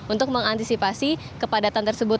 untuk mengantisipasi kepadatan tersebut